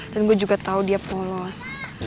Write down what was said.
dan gue juga tau dia polos